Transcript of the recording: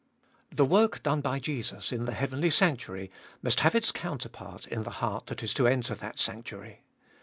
The work done by Jesus in the heavenly sanctuary must have its counterpart in the heart that is to enter that sanctuary.